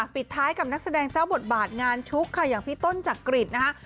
ปิดท้ายกับนักแสดงเจ้าบทบาทงานชุกค่ะอย่างพี่ต้นจักริตนะคะ